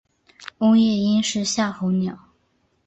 欧夜鹰是夏候鸟。